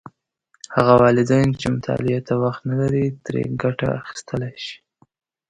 هغه والدین چې مطالعې ته وخت نه لري، ترې ګټه اخیستلی شي.